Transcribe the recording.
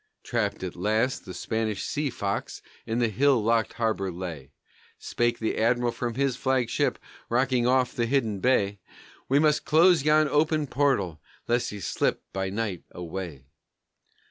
Trapped at last the Spanish sea fox in the hill locked harbor lay; Spake the Admiral from his flagship, rocking off the hidden bay, "We must close yon open portal lest he slip by night away!"